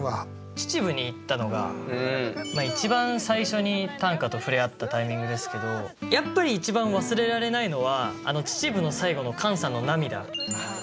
秩父に行ったのが一番最初に短歌と触れ合ったタイミングですけどやっぱり一番忘れられないのは秩父の最後のカンさんの涙。